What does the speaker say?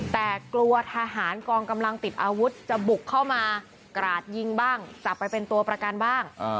แต่กลัวทหารกองกำลังติดอาวุธจะบุกเข้ามากราดยิงบ้างจับไปเป็นตัวประกันบ้าง